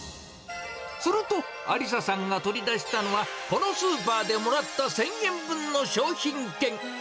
すると、ありささんが取り出したのは、このスーパーでもらった１０００円分の商品券。